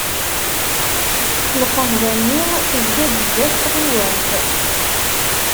Lqahwa-nni tezga-d sdat n tɣiwant.